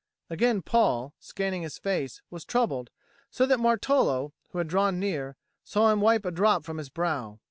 Again Paul, scanning his face, was troubled, so that Martolo, who had drawn near, saw him wipe a drop from his brow.